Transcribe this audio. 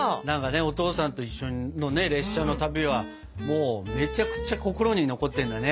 お父さんと一緒の列車の旅はもうめちゃくちゃ心に残ってるんだね。